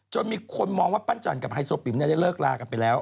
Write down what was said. มีคนมองว่าปั้นจันกับไฮโซปิ๋มได้เลิกลากันไปแล้ว